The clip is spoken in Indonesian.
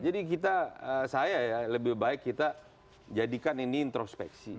jadi kita saya ya lebih baik kita jadikan ini introspeksi